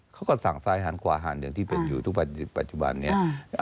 เขาก็สั่งซ้ายหันขวาหันอย่างที่เป็นอยู่ทุกปัจจุบันนี้